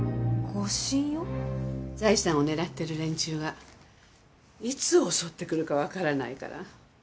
財産を狙ってる連中がいつ襲ってくるかわからないから。